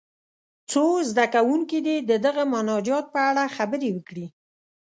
څو زده کوونکي دې د دغه مناجات په اړه خبرې وکړي.